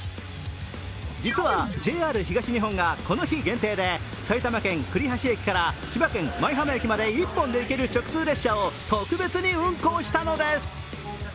実はＪＲ東日本がこの日限定で埼玉県・栗橋駅から千葉県・舞浜駅まで一本で行ける直通列車を特別に運行したのです。